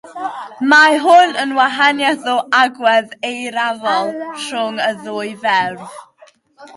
Mae hwn yn wahaniaeth o agwedd eirfaol rhwng y ddwy ferf.